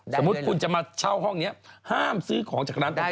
สมมุติคุณจะมาเช่าห้องนี้ห้ามซื้อของจากร้านต่าง